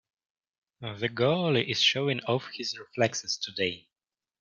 The goalie is showing off his reflexes today.